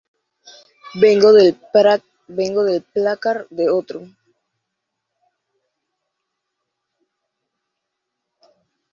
Vengo del Placard de Otro.